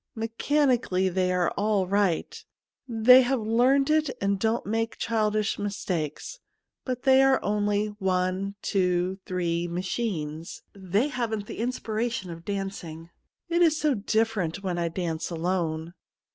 Mechanically they are all right ; they have learned it and don't make childish mistakes ; but they are only one two three machines. They haven't the in spiration of dancing. It is so dif ferent when I dance alone.'